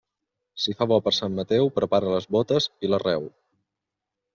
Si fa bo per Sant Mateu, prepara les bótes i l'arreu.